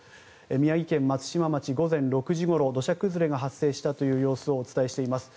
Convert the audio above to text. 宮城県松島町、午前６時ごろ土砂崩れが発生したという様子をお伝えしています。